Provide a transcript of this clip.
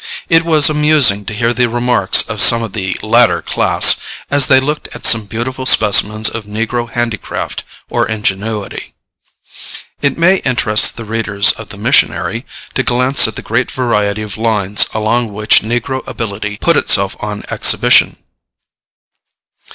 It was amusing to hear the remarks of some of the latter class, as they looked at some beautiful specimens of negro handicraft or ingenuity. It may interest the readers of the MISSIONARY to glance at the great variety of lines along which negro ability put itself on exhibition.